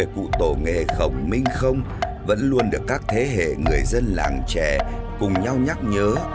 cụ tổ nghề khổng minh không vẫn luôn được các thế hệ người dân làng trẻ cùng nhau nhắc nhớ